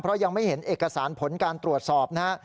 เพราะยังไม่เห็นเอกสารผลการตรวจสอบนะฮะ